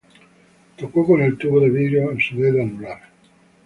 Tocó con el tubo de vidrio en su dedo anular.